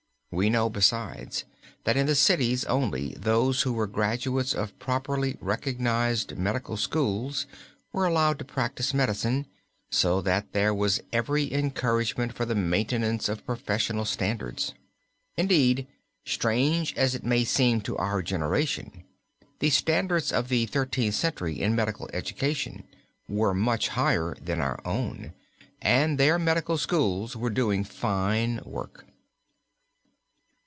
We know besides that in the cities only those who were graduates of properly recognized medical schools were allowed to practice medicine, so that there was every encouragement for the maintenance of professional standards. Indeed, strange as it may seem to our generation, the standards of the Thirteenth Century in medical education were much higher than our own, and their medical schools were doing fine work.